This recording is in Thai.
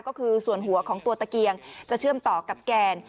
ก็คือส่วนหัวของตัวตะเกียงจะเชื่อมต่อกับแกน